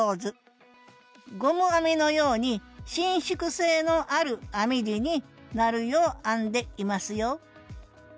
ゴム編みのように伸縮性のある編み地になるよう編んでいますよ